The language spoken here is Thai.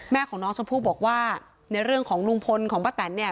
ของน้องชมพู่บอกว่าในเรื่องของลุงพลของป้าแตนเนี่ย